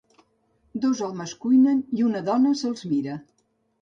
Dos homes cuinen i una dona se'ls mira.